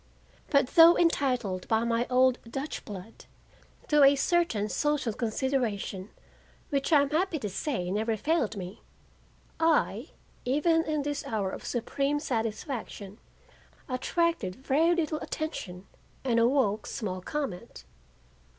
But though entitled by my old Dutch blood to a certain social consideration which I am happy to say never failed me, I, even in this hour of supreme satisfaction, attracted very little attention and awoke small comment.